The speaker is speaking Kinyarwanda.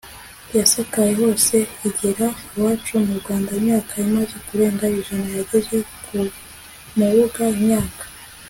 yasakaye hose igera iwacu mu rwanda imyaka imaze kurenga ijana, yageze ku mubuga imyaka